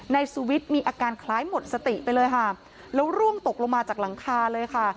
นายสุวิทย์มีอาการคล้ายหมดสติไปเลยค่ะแล้วร่วงตกลงมาจากหลังคาเลยค่ะ